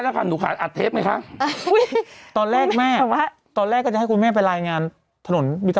ใช่วันนี้เรากลับมาอยู่เนี้ย